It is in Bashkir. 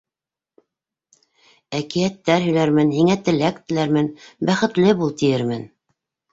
Әкиәттәр һөйләрмен, Һиңә теләк теләрмен - Бәхетле бул тиәрмен...